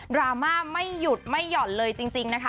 รามาไม่หยุดไม่หย่อนเลยจริงนะคะ